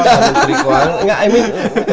atau menteri keuangan